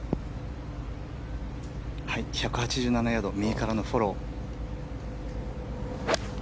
１８７ヤード右からのフォロー。